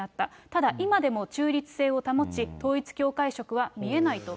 ただ、今でも中立性を保ち、統一教会色は見えないと。